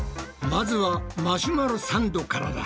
まずはマシュマロサンドからだ。